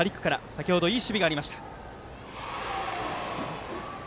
先ほどいい守備がありました。